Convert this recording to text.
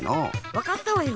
わかったわよ。